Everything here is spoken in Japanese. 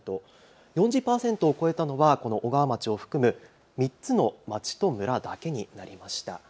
４０％を超えたのはこの小川町を含む３つの町と村だけになりました。